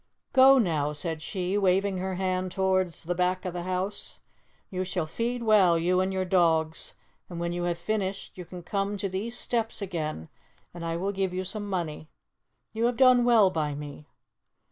"Go now," said she, waving her hand towards the back part of the house; "you shall feed well, you and your dogs; and when you have finished you can come to these steps again, and I will give you some money. You have done well by me."